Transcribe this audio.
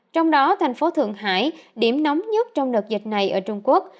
trong đó thành phố thượng hải điểm nóng nhất trong đợt dịch này ở trung quốc